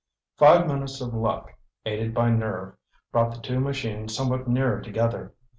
Five minutes of luck, aided by nerve, brought the two machines somewhat nearer together.